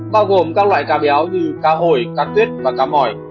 bao gồm các loại cá béo như cá hồi cá tuyết và cá mỏi